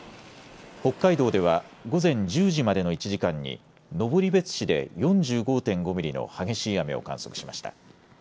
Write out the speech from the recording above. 北海道では午前１０時までの１時間に登別市で４５．５ミリの激しい雨を観測しました。